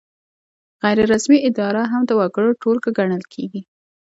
غیر رسمي اداره هم د وګړو ټولګه ګڼل کیږي.